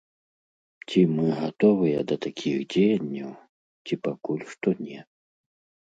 Ці мы гатовыя да такіх дзеянняў, ці пакуль што не.